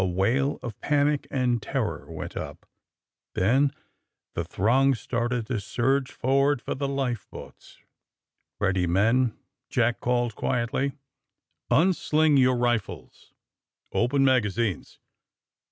A wail of panic and terror went up. Then the throng started to surge forward for the life boats. ^^ Ready, men," Jack called quietly. '^Un sling your rifles. Open magazines.